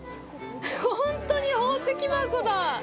本当に宝石箱だ。